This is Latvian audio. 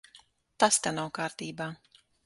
Tas te nav kārtībā.